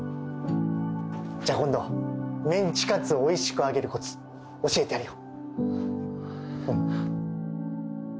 じゃあ今度メンチカツおいしく揚げるコツ教えてやるよ。